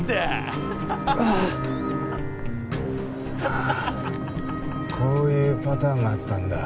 ああこういうパターンがあったんだ。